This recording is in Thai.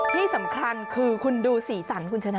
ที่สำคัญคือคุณดูสีสันคุณชนะ